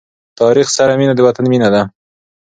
تاریخ سره مینه د وطن مینه ده.